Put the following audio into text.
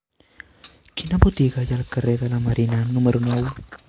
Quina botiga hi ha al carrer de la Marina número nou?